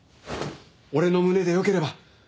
俺の胸でよければ。